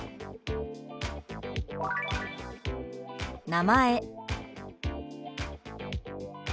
「名前」。